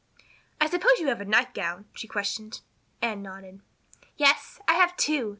"I suppose you have a nightgown?" she questioned. Anne nodded. "Yes, I have two.